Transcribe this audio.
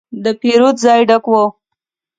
د پیرود ځای ډک و.